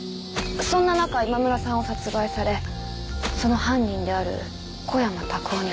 そんな中今村さんを殺害されその犯人である小山卓夫に復讐をした。